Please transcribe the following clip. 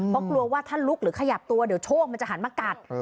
เพราะกลัวว่าถ้าลุกหรือขยับตัวเดี๋ยวโชคมันจะหันมากัด